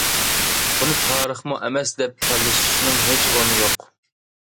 بۇنى تارىخمۇ ئەمەسمۇ دەپ تالىشىشنىڭ ھېچ ئورنى يوق.